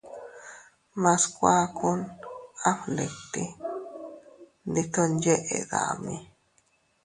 Mas kuakun a fgnditi, ndi ton yeʼe dami.